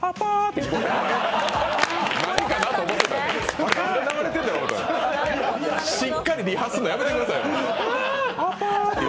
しっかりリハするのやめてください。